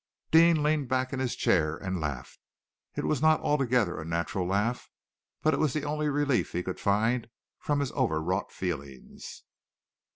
Deane leaned back in his chair and laughed. It was not altogether a natural laugh, but it was the only relief he could find from his overwrought feelings.